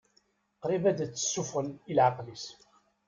Qrib ad tt-ssufɣen i leɛqel-is.